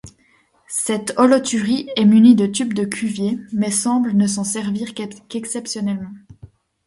Cette holothurie est munie de tubes de Cuvier, mais semble ne s'en servir qu'exceptionnellement.